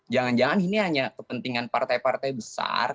jangan jangan ini hanya kepentingan partai partai besar